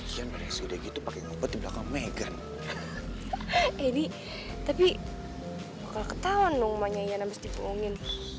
hantu hantu pakai ngopet di belakang megan ini tapi ketawa nungguan yang habis dipunggungin